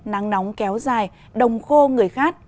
nắng nóng kéo dài đồng khô người khác